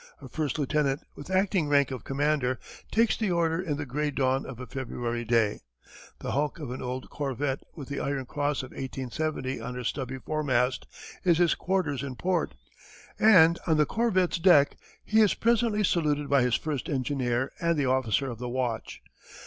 A first lieutenant, with acting rank of commander, takes the order in the grey dawn of a February day. The hulk of an old corvette with the Iron Cross of 1870 on her stubby foremast is his quarters in port, and on the corvette's deck he is presently saluted by his first engineer and the officer of the watch.